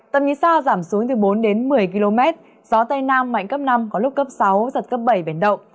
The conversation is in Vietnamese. tầm nhìn xa giảm xuống từ bốn đến một mươi km gió tây nam mạnh cấp năm có lúc cấp sáu giật cấp bảy biển động